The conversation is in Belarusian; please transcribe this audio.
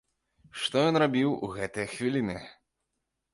Што ён рабіў у гэтыя хвіліны?